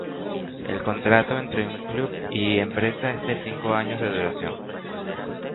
El contrato entre club y empresa es de cinco años de duración.